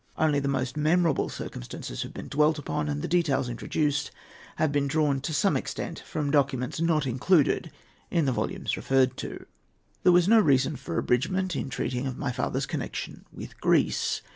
Only the most memorable circumstances have been dwelt upon, and the details introduced have been drawn to some extent from documents not included in the volumes referred to. There was no reason for abridgment in treating of my father's connection with Greece.